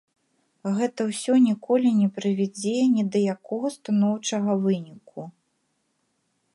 Гэта ўсё ніколі не прывядзе ні да якога станоўчага выніку.